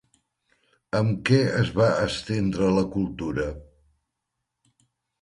Amb què es va estendre la cultura?